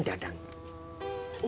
utamakan yang penting dulu